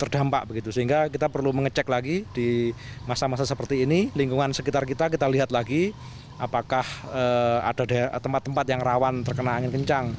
di tempat tempat yang rawan terkena angin kencang